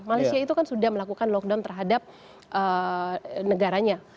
malaysia itu kan sudah melakukan lockdown terhadap negaranya